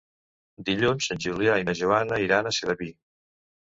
Dilluns en Julià i na Joana iran a Sedaví.